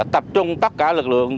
tập trung tất cả lực lượng